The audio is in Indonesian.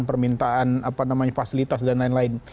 permintaan apa namanya fasilitas dan lain lain